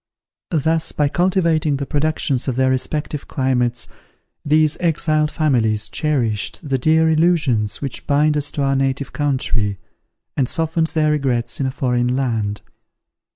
Thus, by cultivating the productions of their respective climates, these exiled families cherished the dear illusions which bind us to our native country, and softened their regrets in a foreign land.